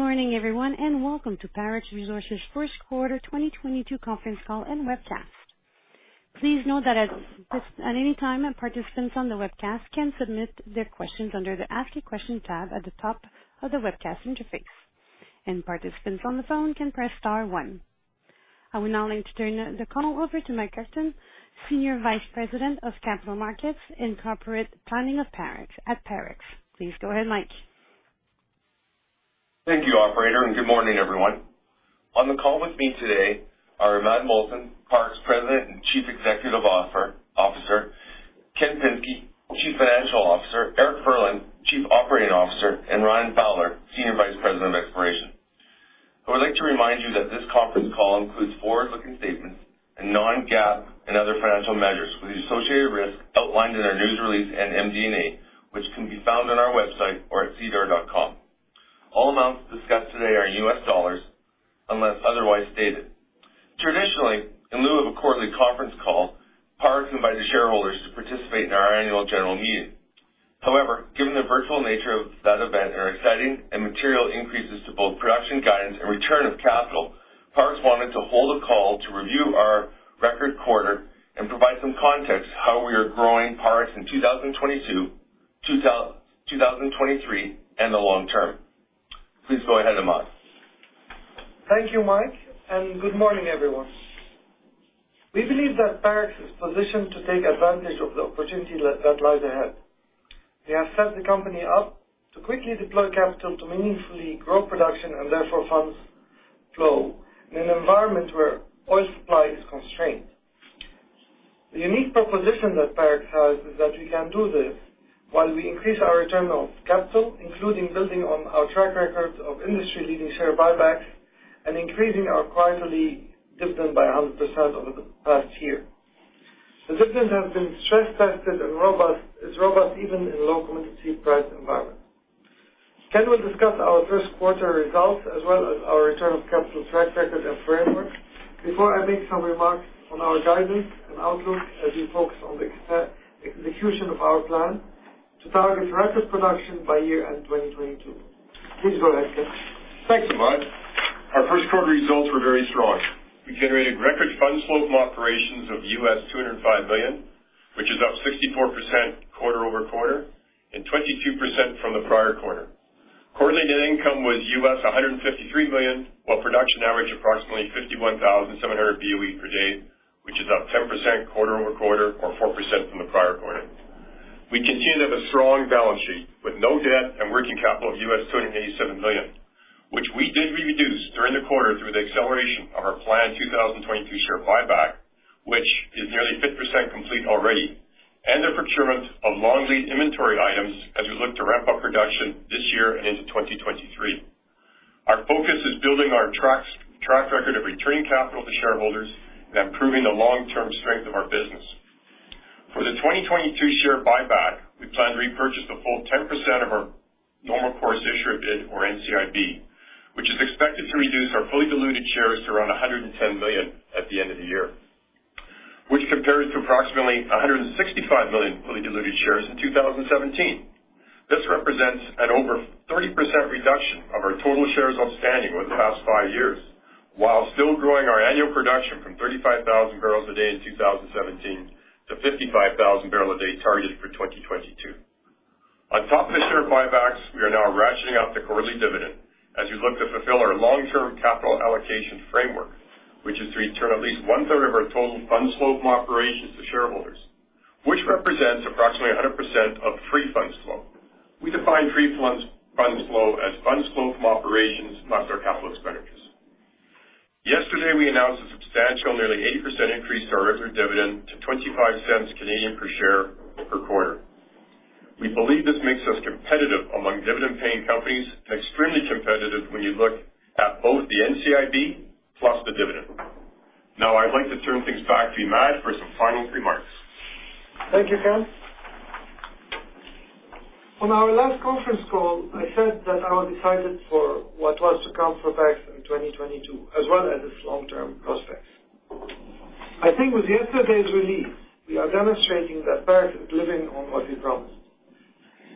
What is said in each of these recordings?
Good morning everyone, and welcome to Parex Resources first quarter 2022 conference call and webcast. Please note that at any time, participants on the webcast can submit their questions under the Ask a Question tab at the top of the webcast interface, and participants on the phone can press star one. I would now like to turn the call over to Mike Kruchten, Senior Vice President of Capital Markets and Corporate Planning of Parex Resources. Please go ahead, Mike. Thank you, operator, and good morning everyone. On the call with me today are Imad Mohsen, Parex President and Chief Executive Officer, Ken Pinsky, Chief Financial Officer, Eric Furlan, Chief Operating Officer, and Ryan Fowler, Senior Vice President of Exploration. I would like to remind you that this conference call includes forward-looking statements and non-GAAP and other financial measures with the associated risks outlined in our news release and MD&A, which can be found on our website or at sedar.com. All amounts discussed today are in US dollars unless otherwise stated. Traditionally, in lieu of a quarterly conference call, Parex invited shareholders to participate in our annual general meeting. However, given the virtual nature of that event and our exciting and material increases to both production guidance and return of capital, Parex wanted to hold a call to review our record quarter and provide some context how we are growing Parex in 2022, 2023, and the long term. Please go ahead, Imad. Thank you, Mike, and good morning everyone. We believe that Parex is positioned to take advantage of the opportunity that lies ahead. We have set the company up to quickly deploy capital to meaningfully grow production and therefore funds flow in an environment where oil supply is constrained. The unique proposition that Parex has is that we can do this while we increase our return on capital, including building on our track record of industry-leading share buybacks and increasing our quarterly dividend by 100% over the past year. The dividend has been stress tested and robust, it's robust even in low commodity price environment. Ken will discuss our first quarter results as well as our return of capital track record and framework before I make some remarks on our guidance and outlook as we focus on the execution of our plan to target record production by year-end 2022. Please go ahead, Ken. Thanks, Imad. Our first quarter results were very strong. We generated record funds flow from operations of $205 million, which is up 64% quarter-over-quarter and 22% from the prior quarter. Quarterly net income was $153 million, while production averaged approximately 51,700 BOE per day, which is up 10% quarter-over-quarter or 4% from the prior quarter. We continue to have a strong balance sheet with no debt and working capital of $287 million, which we did reduce during the quarter through the acceleration of our planned 2022 share buyback, which is nearly 50% complete already and the procurement of long-lead inventory items as we look to ramp up production this year and into 2023. Our focus is building our track record of returning capital to shareholders and improving the long-term strength of our business. For the 2022 share buyback, we plan to repurchase the full 10% of our normal course issuer bid or NCIB, which is expected to reduce our fully diluted shares to around 110 million at the end of the year, which compares to approximately 165 million fully diluted shares in 2017. This represents an over 30% reduction of our total shares outstanding over the past five years while still growing our annual production from 35,000 barrels a day in 2017 to 55,000 barrels a day targeted for 2022. On top of the share buybacks, we are now ratcheting up the quarterly dividend as we look to fulfill our long-term capital allocation framework, which is to return at least 1/3 of our total funds flow from operations to shareholders, which represents approximately 100% of free funds flow. We define free funds flow as funds flow from operations minus our capital expenditures. Yesterday, we announced a substantial nearly 80% increase to our regular dividend to 0.25 per share per quarter. We believe this makes us competitive among dividend paying companies and extremely competitive when you look at both the NCIB plus the dividend. Now I'd like to turn things back to Imad for some final remarks. Thank you, Ken. On our last conference call, I said that I was excited for what was to come for Parex in 2022 as well as its long-term prospects. I think with yesterday's release, we are demonstrating that Parex is living up to what we promised.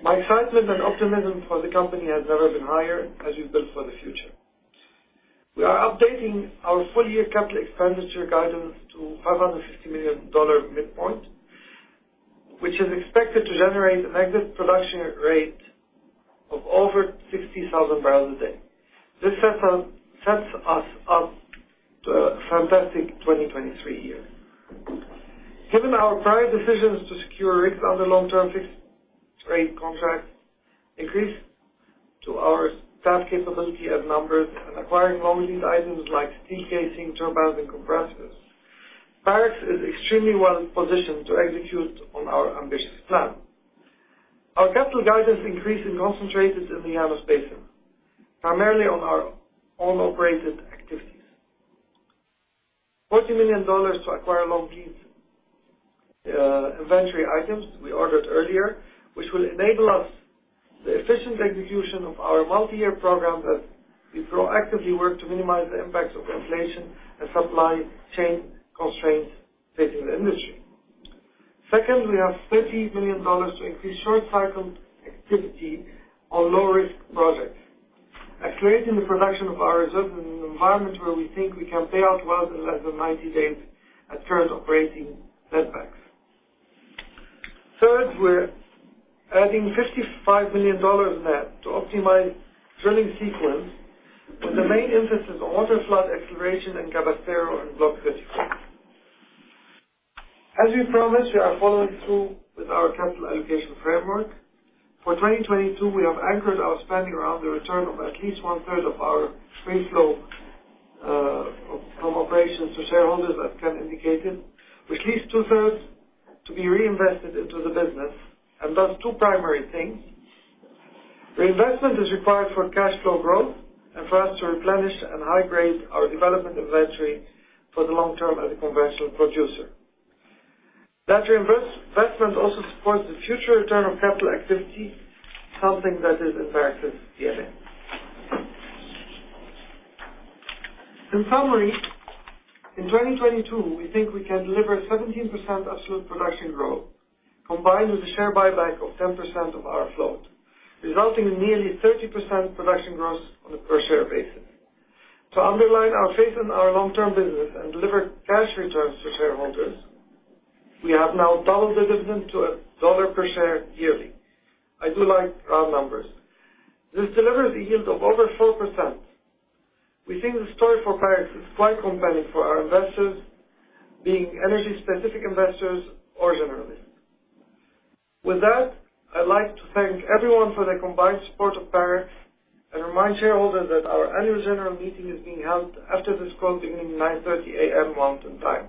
My excitement and optimism for the company has never been higher as we build for the future. We are updating our full year capital expenditure guidance to $550 million midpoint, which is expected to generate an average production rate of over 60,000 barrels a day. This sets us up to a fantastic 2023 year. Given our prior decisions to secure rates on the long-term fixed rate contract, increase to our staff capability and numbers, and acquiring long lead items like steel casing, turbines and compressors, Parex is extremely well positioned to execute on our ambitious plan. Our capital guidance increase is concentrated in the Llanos Basin, primarily on our own operated activities. $40 million to acquire long leads inventory items we ordered earlier, which will enable us the efficient execution of our multi-year program that we proactively work to minimize the impacts of inflation and supply chain constraints facing the industry. Second, we have $30 million to increase short cycle activity on low-risk projects, accelerating the production of our reserves in an environment where we think we can pay out wells in less than 90 days at current operating netbacks. Third, we're adding $55 million net to optimize drilling sequence, with the main emphasis on waterflood acceleration in Cabrestero on Block 34. As we promised, we are following through with our capital allocation framework. For 2022, we have anchored our spending around the return of at least one-third of our free cash flow from operations to shareholders, as Ken indicated, with at least two-thirds to be reinvested into the business and thus two primary things. Reinvestment is required for cash flow growth and for us to replenish and high-grade our development inventory for the long term as a conventional producer. That reinvestment also supports the future return of capital activity, something that is in Parex's DNA. In summary, in 2022, we think we can deliver 17% absolute production growth combined with a share buyback of 10% of our float, resulting in nearly 30% production growth on a per share basis. To underline our faith in our long-term business and deliver cash returns to shareholders, we have now doubled the dividend to $1 per share yearly. I do like round numbers. This delivers a yield of over 4%. We think the story for Parex Resources is quite compelling for our investors, being energy-specific investors or generally. With that, I'd like to thank everyone for their combined support of Parex Resources and remind shareholders that our annual general meeting is being held after this call beginning 9:30 A.M. Mountain Time.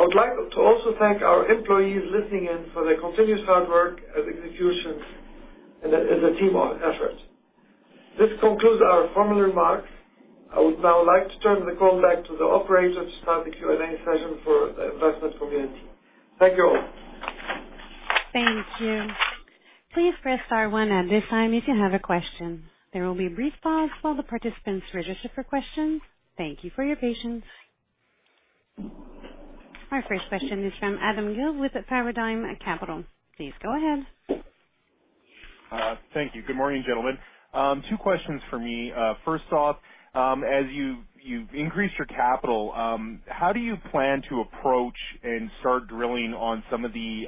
I would like to also thank our employees listening in for their continuous hard work and execution and the team efforts. This concludes our formal remarks. I would now like to turn the call back to the operator to start the Q&A session for the investment community. Thank you all. Thank you. Please press star one at this time if you have a question. There will be a brief pause while the participants register for questions. Thank you for your patience. Our first question is from Adam Gill with Paradigm Capital. Please go ahead. Thank you. Good morning, gentlemen. Two questions for me. First off, as you've increased your capital, how do you plan to approach and start drilling on some of the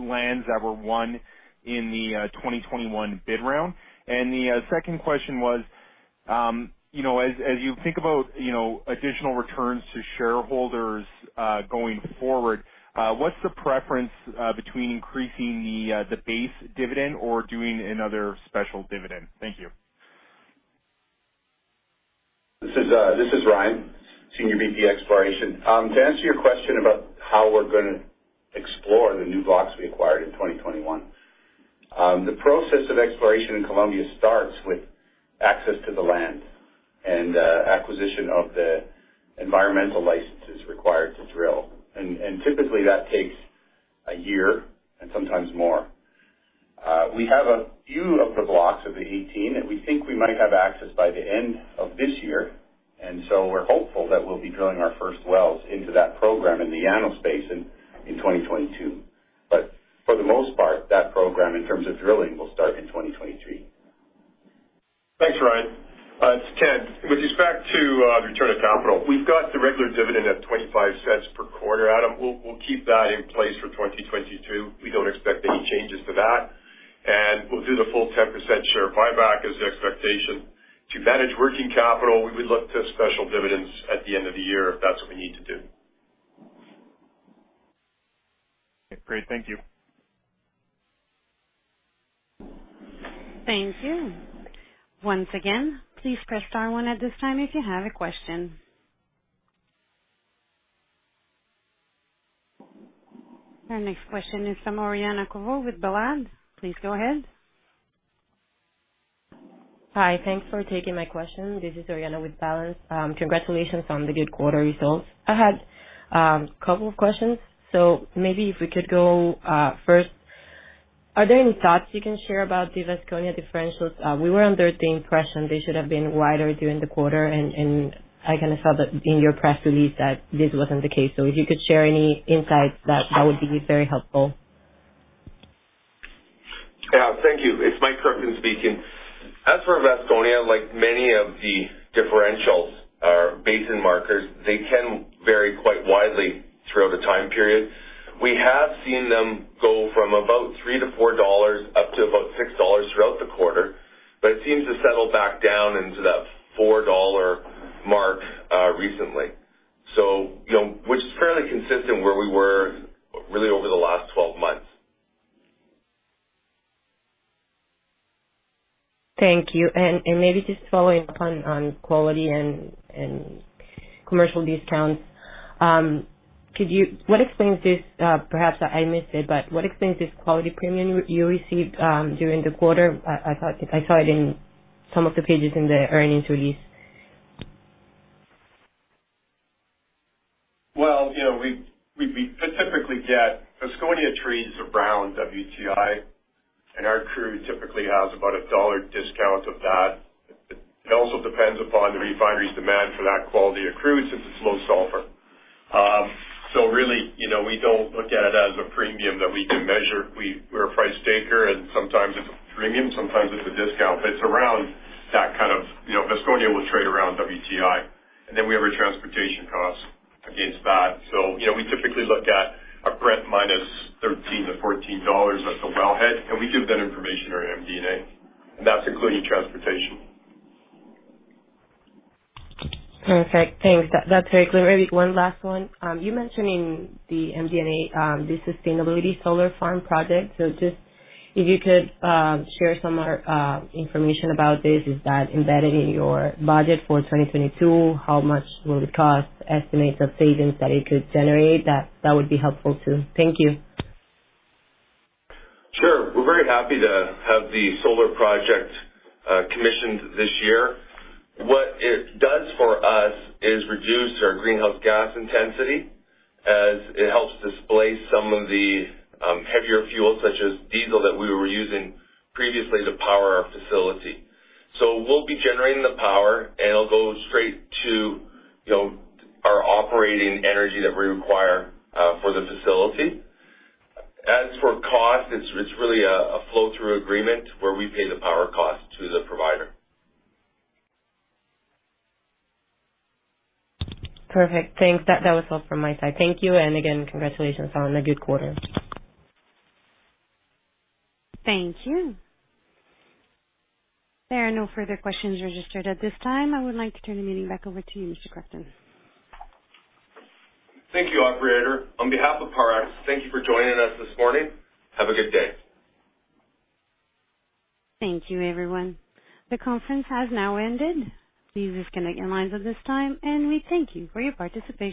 lands that were won in the 2021 bid round? The second question was, you know, as you think about, you know, additional returns to shareholders, going forward, what's the preference between increasing the base dividend or doing another special dividend? Thank you. This is Ryan Fowler, Senior Vice President of Exploration. To answer your question about how we're gonna explore the new blocks we acquired in 2021. The process of exploration in Colombia starts with access to the land and acquisition of the environmental licenses required to drill. Typically, that takes a year and sometimes more. We have a few of the blocks of the 18, and we think we might have access by the end of this year, and so we are hopeful that we'll be drilling our first wells into that program in the Llanos Basin in 2022. For the most part, that program, in terms of drilling, will start in 2023. Thanks, Ryan. It's Ken. With respect to return of capital, we have got the regular dividend at 0.25 per quarter, Adam. We'll keep that in place for 2022. We don't expect any changes to that. We'll do the full 10% share buyback is the expectation. To manage working capital, we would look to special dividends at the end of the year if that's what we need to do. Great. Thank you. Thank you. Once again, please press star one at this time if you have a question. Our next question is from Oriana Covault with Balanz. Please go ahead. Hi. Thanks for taking my question. This is Oriana with Balanz. Congratulations on the good quarter results. I had couple of questions. Maybe if we could go first, are there any thoughts you can share about the Vasconia differentials? We were under the impression they should have been wider during the quarter, and I kind of saw that in your press release that this wasn't the case. If you could share any insights, that would be very helpful. Yeah. Thank you. It's Mike Kruchten speaking. As for Vasconia, like many of the differentials or basin markers, they can vary quite widely throughout a time period. We have seen them go from about $3-$4 up to about $6 throughout the quarter, but it seems to settle back down into that $4-dollar mark, recently. You know, which is fairly consistent where we were really over the last 12 months. Thank you. Maybe just following up on quality and commercial discounts. What explains this, perhaps I missed it, but what explains this quality premium you received during the quarter? I thought I saw it in some of the pages in the earnings release. Well, you know, we typically get Vasconia trades around WTI, and our crude typically has about a $1 discount of that. It also depends upon the refinery's demand for that quality of crude since it's low sulfur. Really, you know, we don't look at it as a premium that we can measure. We are a price taker, and sometimes it's a premium, sometimes it's a discount. It's around that kind of, you know, Vasconia will trade around WTI, and then we have our transportation cost against that. You know, we typically look at a Brent minus $13-$14 at the wellhead, and we give that information to our MD&A, and that's including transportation. Perfect. Thanks. That, that's very clear. One last one. You mentioned in the MD&A the sustainability solar farm project. Just if you could share some more information about this. Is that embedded in your budget for 2022? How much will it cost? Estimates of savings that it could generate? That would be helpful too. Thank you. Sure. We're very happy to have the solar project commissioned this year. What it does for us is reduce our greenhouse gas intensity as it helps displace some of the heavier fuels such as diesel that we were using previously to power our facility. We'll be generating the power, and it'll go straight to, you know, our operating energy that we require for the facility. As for cost, it's really a flow through agreement where we pay the power cost to the provider. Perfect. Thanks. That was all from my side. Thank you. Again, congratulations on a good quarter. Thank you. There are no further questions registered at this time. I would like to turn the meeting back over to you, Mr. Kruchten. Thank you, operator. On behalf of Parex, thank you for joining us this morning. Have a good day. Thank you everyone. The conference has now ended. Please disconnect your lines at this time, and we thank you for your participation.